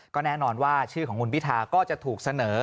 ก็แน่นอนว่าชื่อของคุณพิทาก็จะถูกเสนอ